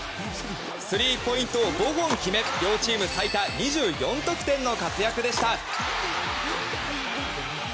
スリーポイントを５本決め両チーム最多２４得点の活躍でした。